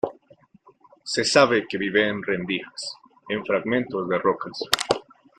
Se sabe que vive en rendijas en fragmentos de rocas.